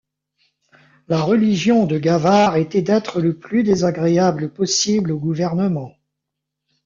La religion de Gavard était d’être le plus désagréable possible au gouvernement.